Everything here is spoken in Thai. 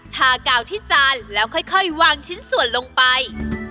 ทากาวที่จานแล้วค่อยวางชิ้นส่วนลงไป